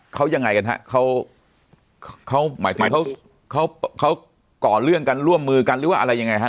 เขายังไงกันฮะเขาก่อเรื่องกันร่วมมือกันหรือว่าอะไรยังไงฮะ